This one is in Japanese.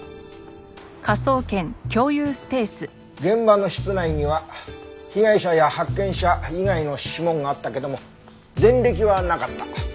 現場の室内には被害者や発見者以外の指紋があったけども前歴はなかった。